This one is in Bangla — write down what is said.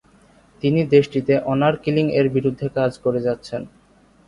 তিনি দেশটিতে অনার কিলিং এর বিরুদ্ধে কাজ করে যাচ্ছেন।